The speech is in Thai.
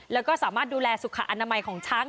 แล้วก็สามารถดูแลสุขอนามัยของช้าง